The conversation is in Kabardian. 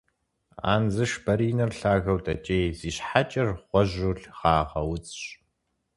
Андзышбаринэр лъагэу дэкӏей, зи щхьэкӏэр гъуэжьу гъагъэ удзщ.